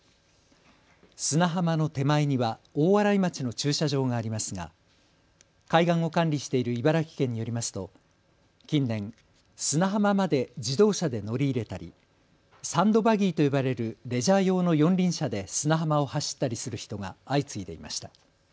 砂浜の手前には大洗町の駐車場がありますが海岸を管理している茨城県によりますと近年、砂浜まで自動車で乗り入れたりサンドバギーと呼ばれるレジャー用の四輪車で砂浜を走ったりする人が相次いでいました。